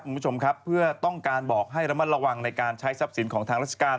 คุณผู้ชมครับเพื่อต้องการบอกให้ระมัดระวังในการใช้ทรัพย์สินของทางราชการ